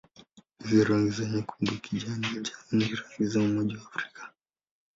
Hizi rangi za nyekundu-kijani-njano ni rangi za Umoja wa Afrika.